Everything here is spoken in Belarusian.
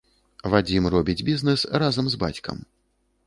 Вадзім робіць бізнэс разам з бацькам.